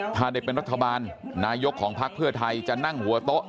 ถ้าได้เป็นรัฐบาลนายกของพักเพื่อไทยจะนั่งหัวโต๊ะ